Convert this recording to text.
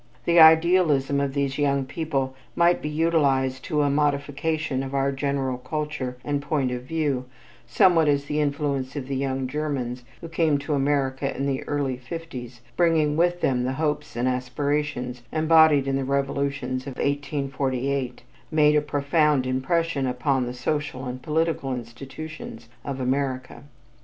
The idealism of these young people might be utilized to a modification of our general culture and point of view, somewhat as the influence of the young Germans who came to America in the early fifties, bringing with them the hopes and aspirations embodied in the revolutions of 1848, made a profound impression upon the social and political institutions of America.